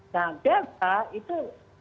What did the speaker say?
nah delta itu